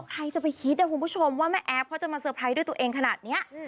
ใครจะไปคิดนะคุณผู้ชมว่าแม่แอฟเขาจะมาเตอร์ไพรส์ด้วยตัวเองขนาดนี้